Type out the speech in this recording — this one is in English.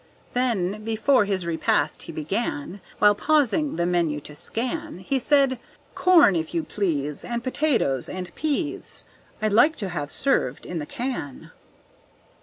Then, before his repast he began, While pausing the menu to scan, He said: "Corn, if you please, And tomatoes and pease, I'd like to have served in the can."